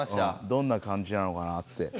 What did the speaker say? どんなかんじなのかなって。